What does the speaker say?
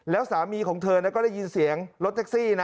แล้วสามีของเธอก็ได้ยินเสียงรถแท็กซี่นะ